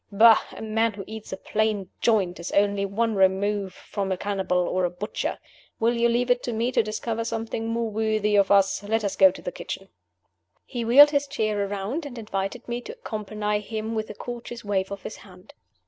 "Bah! A man who eats a plain joint is only one remove from a cannibal or a butcher. Will you leave it to me to discover something more worthy of us? Let us go to the kitchen." He wheeled his chair around, and invited me to accompany him with a courteous wave of his hand.